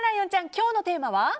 今日のテーマは？